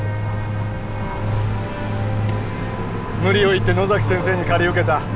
無理を言って野崎先生に借り受けた。